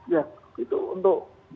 ya itu untuk